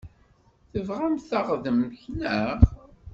Tebɣamt taɣdemt, naɣ?